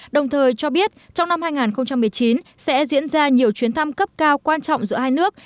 đồng thời cho biết trong năm hai nghìn một mươi chín sẽ diễn ra nhiều chuyến thăm cấp cao quan trọng giữa hai nước